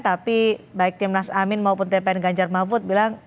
tapi baik timnas amin maupun tpn ganjar mahfud bilang